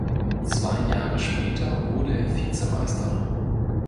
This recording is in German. Zwei Jahre später wurde er Vizemeister.